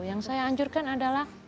yang saya anjurkan adalah